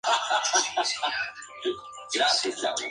Durante esa visita le fue concedido a Isabel Rubio el grado de capitán.